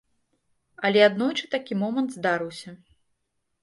Але аднойчы такі момант здарыўся.